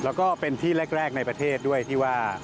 แล้วก็เป็นที่แรกในประเทศด้วยที่ว่า